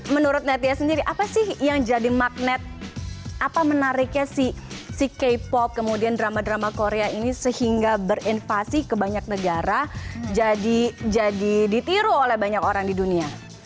menurut natya sendiri apa sih yang jadi magnet apa menariknya si k pop kemudian drama drama korea ini sehingga berinvasi ke banyak negara jadi ditiru oleh banyak orang di dunia